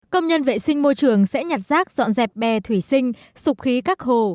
công nhân vệ sinh môi trường sẽ nhặt rác dọn dẹp bè thủy sinh sụp khí các hồ